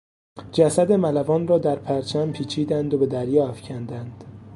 جسد ملوان را در پرچم پیچیدند و به دریا افکندند.